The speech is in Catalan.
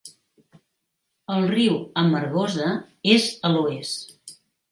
El riu Amargosa és a l'oest.